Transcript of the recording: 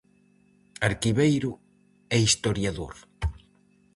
Arquiveiro e historiador.